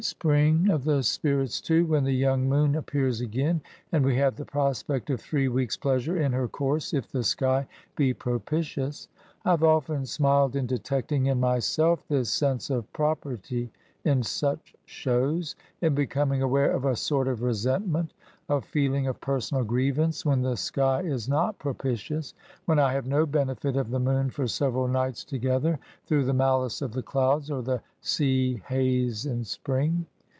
56 spring of the spirits too^ when the young moon appears again, and we have the prospect of three weeks' pleasure in her course^ if the sky be propi tious. I have often smiled in detecting in myself this sense of property in such shows ; in becoming aware of a sort of resentment, of feeling of personal grievance, when the sky is not propitious ; when I have no benefit of the moon for several nights together, through the malice of the clouds, or the sea^haze in spring.